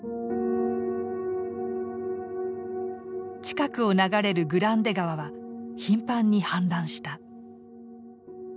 近くを流れるグランデ川は頻繁に氾濫した。